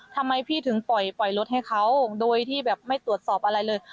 ทำไมพี่ถึงปล่อยรถให้เขาโดยที่แบบไม่ตรวจสอบอะไรเลย